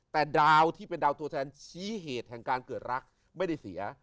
แต่ดาวที่เป็นดาวตัวแทนชี้เหตุแห่งการเกิดรักไม่ได้เสีย